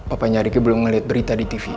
apanya riki belum ngeliat berita di tv